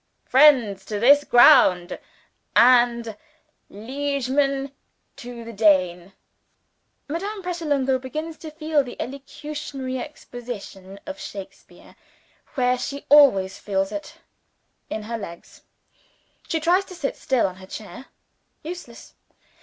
"Friends to this ground." "And liegemen to the Dane." (Madame Pratolungo begins to feel the elocutionary exposition of Shakespeare, where she always feels it, in her legs. She tries to sit still on her chair. Useless!